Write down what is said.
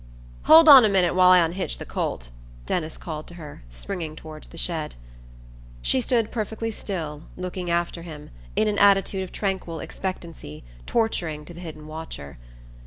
"Hold on a minute while I unhitch the colt," Denis called to her, springing toward the shed. She stood perfectly still, looking after him, in an attitude of tranquil expectancy torturing to the hidden watcher.